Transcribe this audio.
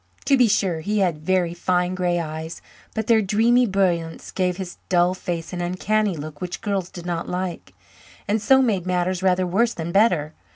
To be sure, he had very fine grey eyes, but their dreamy brilliance gave his dull face an uncanny look which girls did not like, and so made matters rather worse than better.